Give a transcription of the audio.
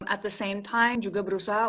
at the same time juga berusaha